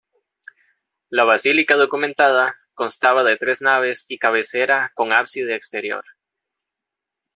La basílica documentada, constaba de tres naves y cabecera con ábside exterior.